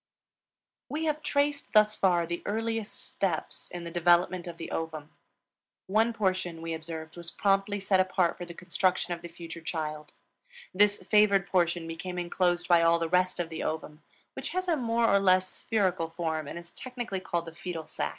We have traced thus far the earliest steps in the development of the ovum. One portion, we observed, was promptly set apart for the construction of the future child; this favored portion became inclosed by all the rest of the ovum, which has a more or less spherical form and is technically called the fetal sac.